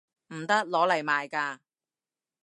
唔得！攞嚟賣㗎